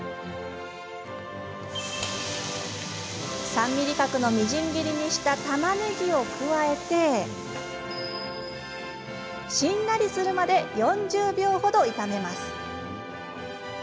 ３ｍｍ角のみじん切りにしたたまねぎを加えてしんなりするまで４０秒ほど炒めます。